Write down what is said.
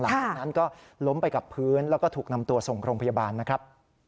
หลังจากนั้นก็ล้มไปกับพื้นแล้วก็ถูกนำตัวส่งโรงพยาบาลนะครับ